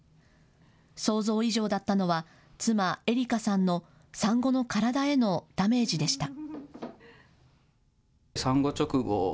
想像以上だったのは妻、英里佳さんの産後の体へのダメージでした。